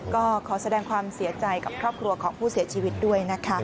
ก็ขอแสดงความเสียใจกับครอบครัวของผู้เสียชีวิตด้วยนะคะ